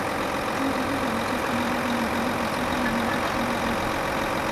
Rodríguez renunció al canal argumentando censura y emigró al canal Vive!